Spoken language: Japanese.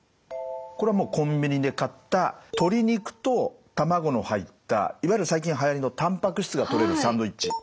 これはコンビニで買った鶏肉とたまごの入ったいわゆる最近はやりのたんぱく質がとれるサンドウイッチ。